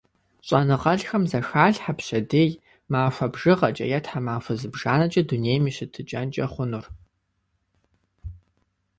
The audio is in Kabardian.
ЩӀэныгъэлӀхэм зэхалъхьэ пщэдей, махуэ бжыгъэкӀэ е тхьэмахуэ зыбжанэкӀэ дунейм и щытыкӀэнкӀэ хъунур.